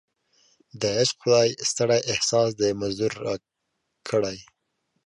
د عشق خدای ستړی احساس د مزدور راکړی